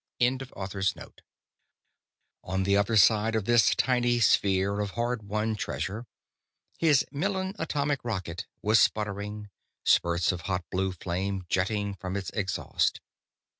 ] On the other side of this tiny sphere of hard won treasure, his Millen atomic rocket was sputtering, spurts of hot blue flame jetting from its exhaust.